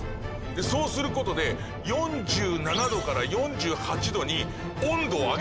でそうすることで４７℃から４８℃に温度を上げることができるんです。